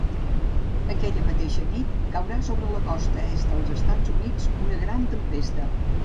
Aquella mateixa nit caurà sobre la costa est dels Estats Units una gran tempesta.